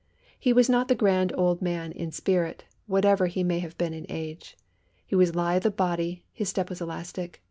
He was not the grand old man in spirit, whatever he may have been in age. He was lithe of body, his step was elastic.